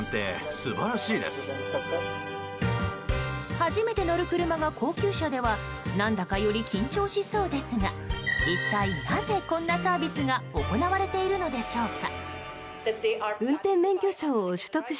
初めて乗る車が高級車では何だか、より緊張しそうですが一体なぜ、こんなサービスが行われているのでしょうか。